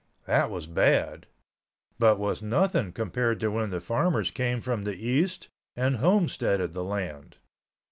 That was bad—but was nothing compared to when the farmers came from the East and homesteaded the land.